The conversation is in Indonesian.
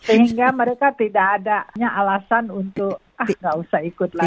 sehingga mereka tidak adanya alasan untuk tidak usah ikut lagi